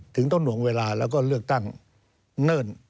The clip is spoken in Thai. ถึงต้นหวงเวลาแล้วก็เลือกตั้งเนิ่น